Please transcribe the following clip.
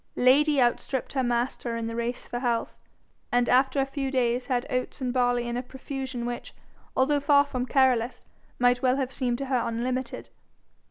Lady outstripped her master in the race for health, and after a few days had oats and barley in a profusion which, although far from careless, might well have seemed to her unlimited.